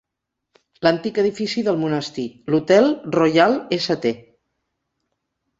L'antic edifici del monestir, l'Hotel Royal-St.